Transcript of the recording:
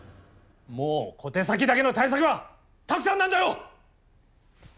もう小手先だけの対策はたくさんなんだよ！